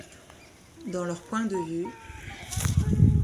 Dans leurs points de vue…